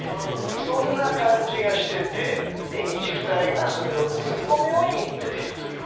そんな感じがしてて虹二重がそれを包み込むように出てるという。